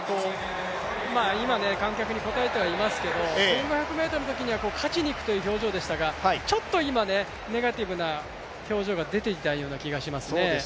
今、観客に応えてはいますけど、１５００ｍのときには勝ちにいくという表情でしたがちょっと今、ネガティブな表情が出ていたような気がしますね。